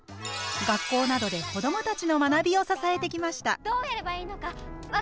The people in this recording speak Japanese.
学校などで子どもたちの学びを支えてきました。